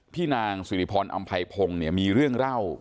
นางสิริพรอำไพพงศ์เนี่ยมีเรื่องเล่า